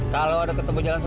kalau ada ketemu jalan jalan